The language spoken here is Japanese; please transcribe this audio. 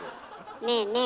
ねえねえ